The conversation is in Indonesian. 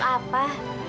ya ini untuk